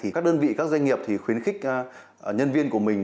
các đơn vị các doanh nghiệp khuyến khích nhân viên của công ty